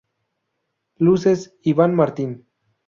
Luces: Iván Martín.